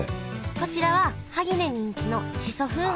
こちらは萩で人気のしそ風味